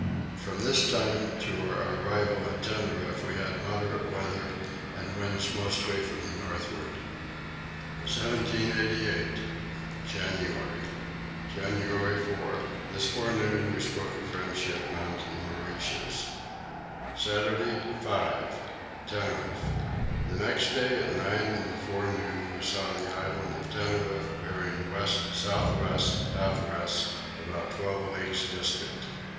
From this time to our arrival at Tenerife we had moderate weather and winds mostly from the northward. 1788. January. January 4. This forenoon we spoke a French ship bound to the Mauritius. Saturday 5. Tenerife. The next day at nine in the forenoon we saw the island of Tenerife bearing west south west half west about twelve leagues distant.